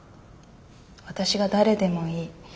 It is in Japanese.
私が誰でもいい。